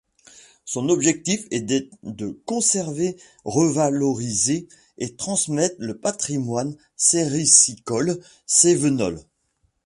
Son objectif était de conserver, revaloriser et transmettre le patrimoine séricicole cévenol.